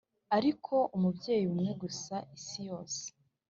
ariko umubyeyi umwe gusa isi yose.